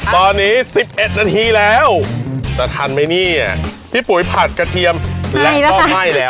ตอนนี้๑๑นาทีแล้วจะทันไหมเนี่ยพี่ปุ๋ยผัดกระเทียมและก็ให้แล้ว